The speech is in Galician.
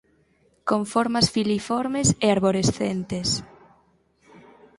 Con formas filiformes e arborescentes.